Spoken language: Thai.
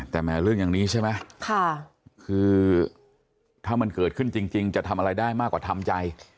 แต่แม้เรื่องอย่างนี้ใช่ไหมคือถ้ามันเกิดขึ้นจริงจะทำอะไรได้มากกว่าทำใจ